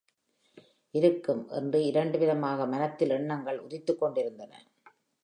இருக்கும்! என்று இரண்டு விதமாக மனத்தில் எண்ணங்கள் உதித்துக் கொண்டிருந்தன.